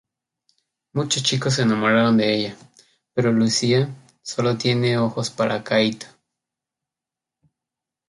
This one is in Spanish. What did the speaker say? Muchos chicos se enamoran de ella pero Luchia solo tiene ojos para Kaito.